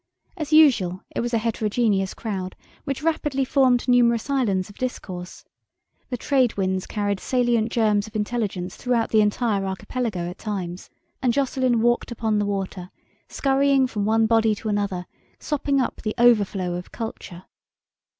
As usual, it was a heterogeneous crowd, which rapidly formed numerous islands of discourse. The trade winds carried salient gems of intelligence throughout the entire archipelago at times, and Jocelyn walked upon the water, scurrying from one body to another, sopping up the overflow of "culture".